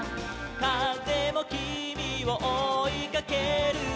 「かぜもきみをおいかけるよ」